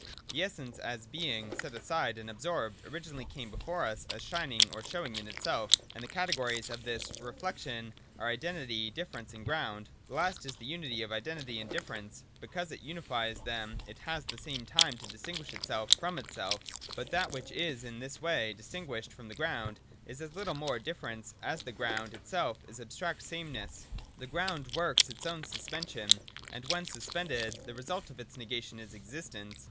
The Essence, as Being set aside and absorbed, originally came before us as shining or showing in self, and the categories of this re flection are identity, difference and ground. The last is the unity of identity and difference ; and because it unifies them it has at the same time to distinguish itself from itself. But that which is in this way distinguished from the ground is as little mere difference, as the ground itself is abstract same ness. The ground works its own suspension: and when suspended, the result of its negation is existence.